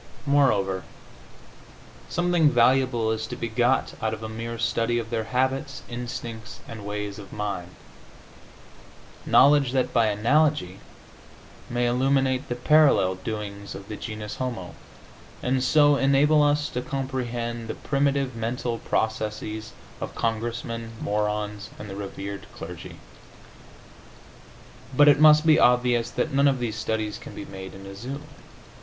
Moreover, something valuable is to be got out of a mere study of their habits, instincts and ways of mind knowledge that, by analogy, may illuminate the parallel doings of the genus homo, and so enable us to comprehend the primitive mental processes of Congressmen, morons and the rev. clergy. But it must be obvious that none of these studies can be made in a zoo.